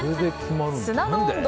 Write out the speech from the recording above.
砂の温度